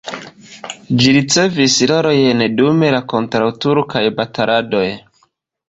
Ĝi ricevis rolojn dum la kontraŭturkaj bataladoj.